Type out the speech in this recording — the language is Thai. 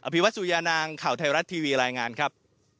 ภิวัตสุยานางข่าวไทยรัฐทีวีรายงานครับ